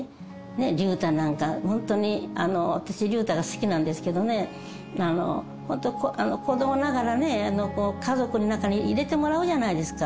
隆太なんか、本当に私、隆太が好きなんですけどね、本当、子どもながらね、家族の中に入れてもらうじゃないですか。